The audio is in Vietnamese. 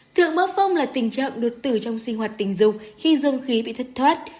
thượng mơ phong là tình trạng đột tử trong sinh hoạt tình dục khi dương khí bị thất thoát